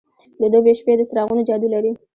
د دوبی شپې د څراغونو جادو لري.